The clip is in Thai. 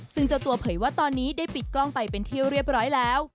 ซึ่งเจ้าตัวเผยว่าตอนนี้ได้ปิดกล้องไปเป็นที่เรียบร้อยแล้ว